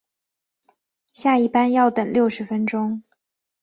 下一班要等六十分钟